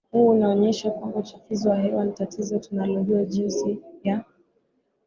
huu unaonyesha kwamba uchafuzi wa hewa ni tatizo tunalojua jinsi ya